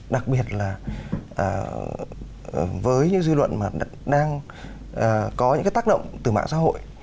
đặc biệt là với những dư luận mà đang có những cái tác động từ mạng xã hội